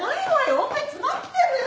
オペ詰まってんのよ